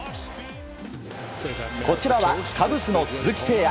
こちらはカブスの鈴木誠也。